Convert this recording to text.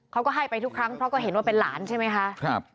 เขาก็ให้ไปทุกครั้งเพราะก็เห็นว่าเป็นหลานใช่ไหมคะ